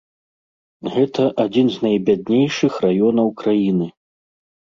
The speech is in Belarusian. Гэта адзін з найбяднейшых раёнаў краіны.